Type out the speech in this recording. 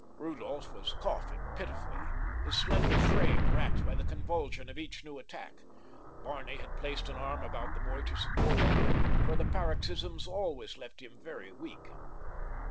Rudolph was coughing pitifully, his slender frame wracked by the convulsion of each new attack. Barney had placed an arm about the boy to support him, for the paroxysms always left him very weak.